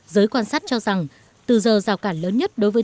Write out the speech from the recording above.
giới quan sát cho rằng từ giờ rào cản lớn nhất đối với tiến sĩ facs là một thỏa thuận